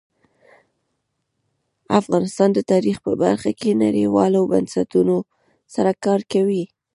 افغانستان د تاریخ په برخه کې نړیوالو بنسټونو سره کار کوي.